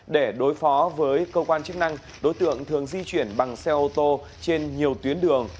để đối phó với cơ quan chức năng đối tượng thường di chuyển bằng xe ô tô trên nhiều tuyến đường